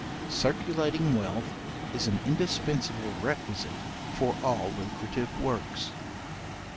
Circulating wealth is an indispensible requisite for all lucrative works.